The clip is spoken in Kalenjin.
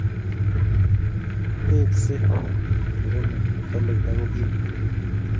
Tesksei murenik, toloita ko kim